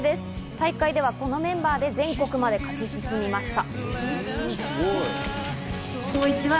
大会ではこのメンバーで全国まで勝ち進みました。